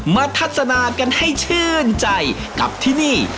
ทัศนากันให้ชื่นใจกับที่นี่